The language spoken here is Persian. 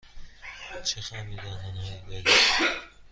چه خمیردندان هایی دارید؟